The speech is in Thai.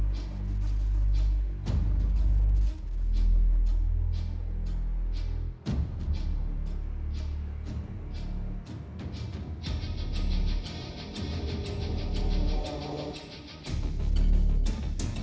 โถยรถมันจะระเบิดปะ